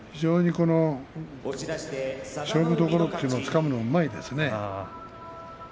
勝負どころというものをつかむのがうまいですね佐田の海。